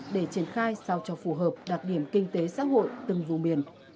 để triển khai sao cho phù hợp đặc điểm kinh tế xã hội từng vùng miền